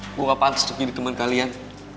gua gak pantas jadi temen kalian